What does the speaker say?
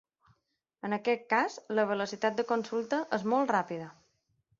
En aquest cas, la velocitat de consulta és molt ràpida.